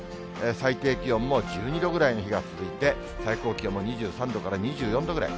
最低気温も１２度ぐらいの日が続いて、最高気温も２３度から２４度ぐらい。